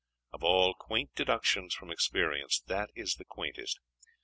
Of all quaint deductions from experience, that is the quaintest!